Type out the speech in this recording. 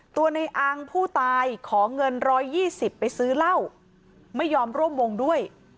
ตัวในอังผู้ตายขอเงิน๑๒๐ไปซื้อเหล้าไม่ยอมร่วมวงด้วย